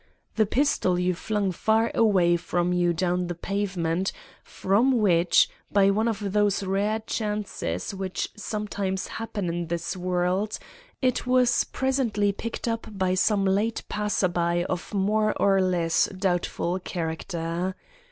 The pistol you flung far away from you down the pavement, from which, by one of those rare chances which sometimes happen in this world, it was presently picked up by some late passer by of more or less doubtful character.